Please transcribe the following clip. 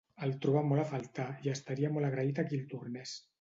El troba molt a faltar i estaria molt agraït a qui el tornés.